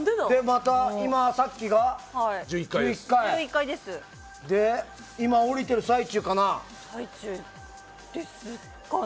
今、さっきが１１階今降りている最中かな。